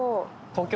東京。